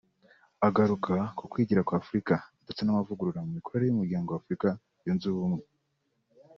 Agaruka ku kwigira kw’Afurika ndetse n’amavugurura mu mikorere y’umuryango w’Afurika yunze ubumwe